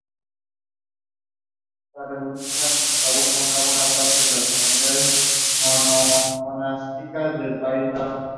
Ese abandono fue causa indirecta de su muerte prematura.